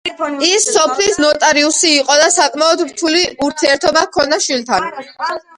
ის სოფლის ნოტარიუსი იყო, და საკმაოდ რთული ურთიერთობა ჰქონდა შვილთან.